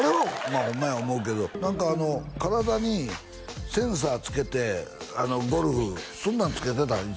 まあホンマや思うけど何か体にセンサーつけてゴルフそんなんつけてたん？